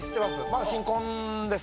まだ新婚です。